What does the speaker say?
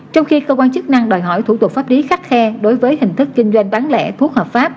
trong khi cơ quan chức năng đòi hỏi thủ tục pháp lý khắc khe đối với hình thức kinh doanh bán lẻ thuốc hợp pháp